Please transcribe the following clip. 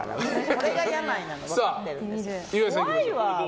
これが病なの分かってるから。